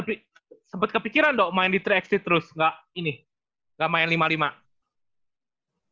nah lu sempet kepikiran dong main di tiga x tiga terus nggak ini nggak main lima lima